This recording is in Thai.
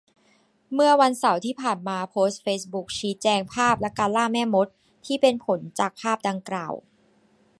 เมื่อวันเสาร์ที่ผ่านมาโพสต์เฟซบุ๊กชี้แจงภาพและการ ล่าแม่มด ที่เป็นผลจากภาพดังกล่า